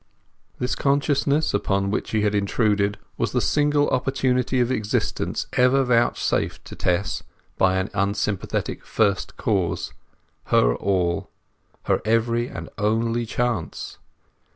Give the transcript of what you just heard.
This consciousness upon which he had intruded was the single opportunity of existence ever vouchsafed to Tess by an unsympathetic First Cause—her all; her every and only chance.